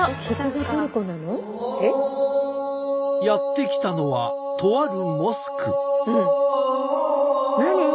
やって来たのはとあるモスク。